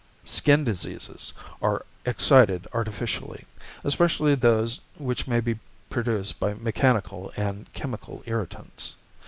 =Skin Diseases= are excited artificially, especially those which may be produced by mechanical and chemical irritants.